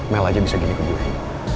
mel aja bisa gini ke diri